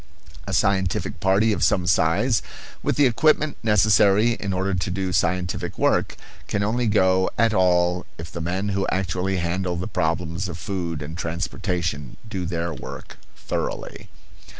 A scientific party of some size, with the equipment necessary in order to do scientific work, can only go at all if the men who actually handle the problems of food and transportation do their work thoroughly.